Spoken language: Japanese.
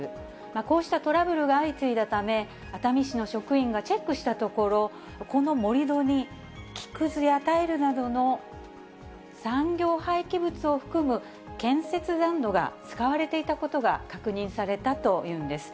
こうしたトラブルが相次いだため、熱海市の職員がチェックしたところ、この盛り土に木くずやタイルなどの産業廃棄物を含む建設残土が使われていたことが確認されたというんです。